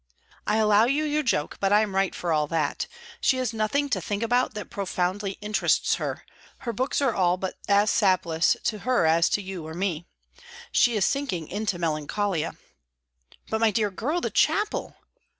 "I allow you your joke, but I am right for all that. She has nothing to think about that profoundly interests her; her books are all but as sapless to her as to you or me. She is sinking into melancholia." "But, my dear girl, the chapel!"